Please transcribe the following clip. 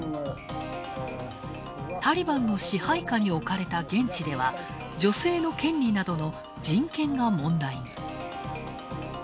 タリバンの支配下に置かれた現地では女性の権利などの人権が問題に。